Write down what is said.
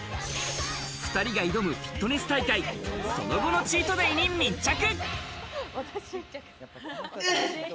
２人が挑むフィットネス大会、その後のチートデーに密着。